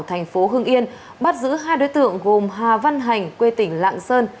thành phố hưng yên bắt giữ hai đối tượng gồm hà văn hành quê tỉnh lạng sơn